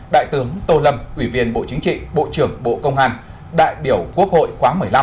đại tướng tô lâm ủy viên bộ chính trị bộ trưởng bộ công an đại biểu quốc hội khóa một mươi năm